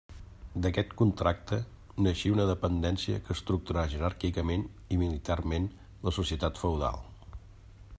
D'aquest contracte, naixia una dependència que estructurà jeràrquicament i militarment la societat feudal.